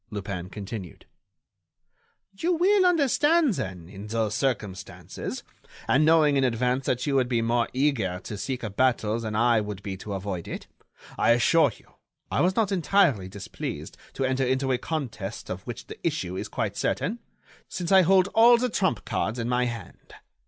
Lupin continued: "You will understand then, in those circumstances, and knowing in advance that you would be more eager to seek a battle than I would be to avoid it, I assure you I was not entirely displeased to enter into a contest of which the issue is quite certain, since I hold all the trump cards in my hand.